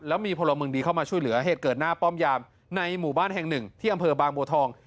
แล้วมีพลเมืองดีเข้ามาช่วยเหลือเหตุเกิดหน้าป้อมยามในหมู่บ้านแห่งหนึ่งที่อำเภอบางบัวทอง